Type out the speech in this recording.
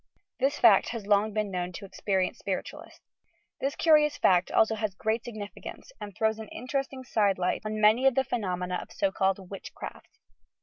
This fact has long been known to experienced spirit ualists. This curious fact has also great significance and throws an interesting side light on many of the phenomena of so called "witchcraft."